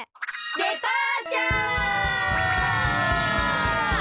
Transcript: デパーチャー！